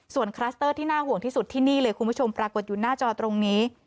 ส่วนคลัสเตอร์ที่น่าห่วงที่สุดที่นี่เลยคุณผู้ชมปรากฏอยู่หน้าจอตรงนี้